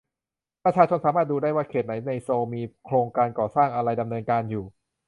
ประชาชนสามารถดูได้ว่าเขตไหนในโซลมีโครงการก่อสร้างอะไรดำเนินการอยู่